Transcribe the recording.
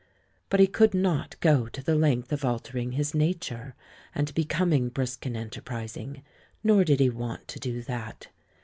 But he could not go to the length of altering his nature and becoming brisk and enterprising, nor did he want to do that.